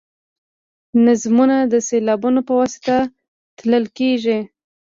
نظمونه د سېلابونو په واسطه تلل کیږي.